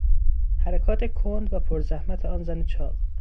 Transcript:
حرکات کند و پرزحمت آن زن چاق